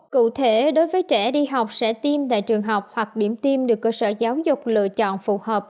cụ thể đối với trẻ đi học sẽ tiêm tại trường học hoặc điểm tiêm được cơ sở giáo dục lựa chọn phù hợp